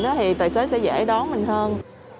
thì tài xế sẽ dễ đón mình hơn